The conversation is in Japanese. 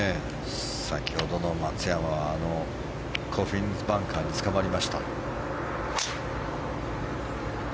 先ほどの松山はコフィンズバンカーにつかまりました。